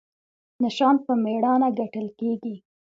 نشان په میړانه ګټل کیږي